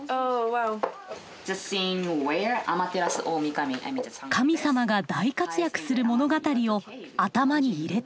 神様が大活躍する物語を頭に入れてもらいます。